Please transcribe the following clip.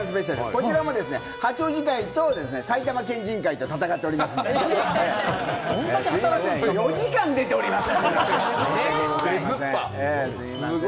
こちらも八王子会と埼玉県人会と戦っておりますので、全部で４時間出ております！